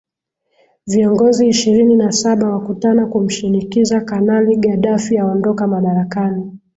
viongozi ishirini na saba wakutana kumshinikiza kanali gaddafi aondoka madarakani